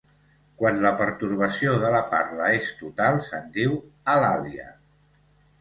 Quan la pertorbació de la parla és total, se'n diu alàlia.